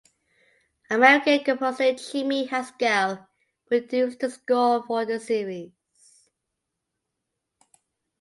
American composer Jimmie Haskell produced the score for the series.